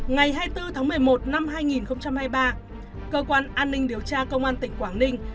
ngày hai mươi bốn tháng một mươi một năm hai nghìn hai mươi ba cơ quan an ninh điều tra công an tỉnh quảng ninh